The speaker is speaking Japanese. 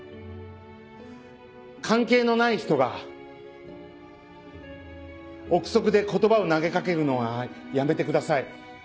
関係のない人が臆測で言葉を投げかけるのはやめてください。